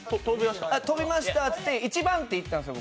飛びましたって言って１番手行ったんですよ。